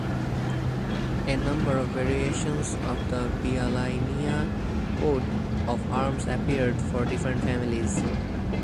A number of variations of the Bialynia coat of arms appeared for different families.